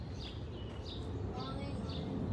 i bila hiyana tutausoma ujumbe wako